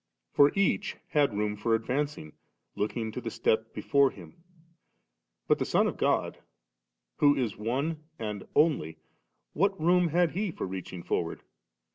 For each had room for advanc ing, looking to the step before him. But the Son of God, who is One and Only, what room had He for reaching forward?